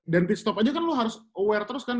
dan pit stop aja kan lo harus aware terus kan